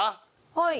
はい。